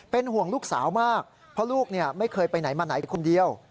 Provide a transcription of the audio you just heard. เป็นห่วงลูกสาวมากเพราะลูกไม่เคยไปไหนมาไหนคนเดียว